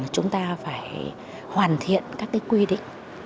chúng ta phải hoàn thiện các cái quy định